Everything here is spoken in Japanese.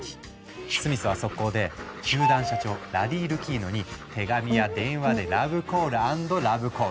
スミスは速攻で球団社長ラリー・ルキーノに手紙や電話でラブコール＆ラブコール。